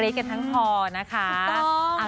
เรียกกันทั้งพอนะค่ะถูกต้อง